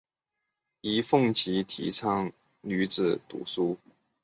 尹奉吉提倡女子读书。